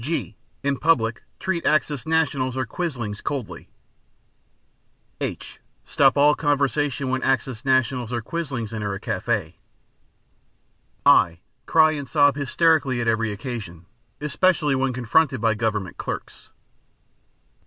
(g) In public treat axis nationals or quislings coldly. (h) Stop all conversation when axis nationals or quislings enter a cafe. (i) Cry and sob hysterically at every occasion, especially when confronted by government clerks.